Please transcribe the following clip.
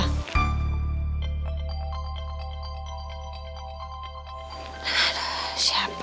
gak tau gue siapa